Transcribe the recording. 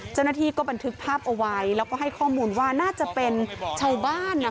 เจ้าหน้าที่ก็บันทึกภาพเอาไว้แล้วก็ให้ข้อมูลว่าน่าจะเป็นชาวบ้านนะคะ